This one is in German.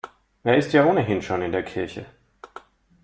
Er ist ja ohnehin schon in der Kirche.